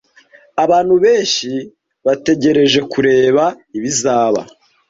Abantu benshi bategereje kureba ibizaba.